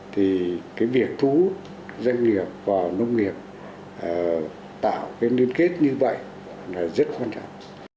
thì cái việc thu hút doanh nghiệp vào nông nghiệp tạo cái liên kết như vậy là rất quan trọng